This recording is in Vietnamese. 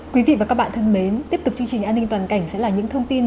quý vị và các bạn thân mến tiếp tục chương trình an ninh toàn cảnh sẽ là những thông tin